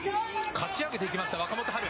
かち上げていきました、若元春。